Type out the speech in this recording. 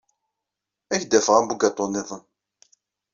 Ad ak-d-afeɣ abugaṭu niḍen.